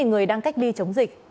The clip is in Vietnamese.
chín người đang cách ly chống dịch